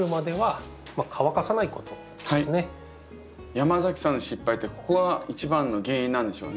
山崎さんの失敗ってここが１番の原因なんでしょうね。